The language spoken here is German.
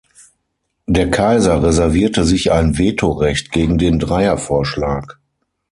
Der Kaiser reservierte sich ein Vetorecht gegen den Dreiervorschlag.